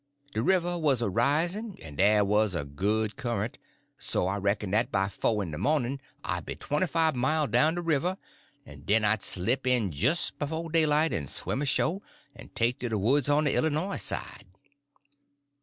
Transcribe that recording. De river wuz a risin', en dey wuz a good current; so I reck'n'd 'at by fo' in de mawnin' I'd be twenty five mile down de river, en den I'd slip in jis b'fo' daylight en swim asho', en take to de woods on de Illinois side.